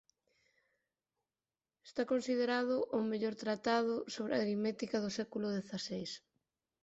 Está considerado o mellor tratado sobre aritmética do século dezaseis.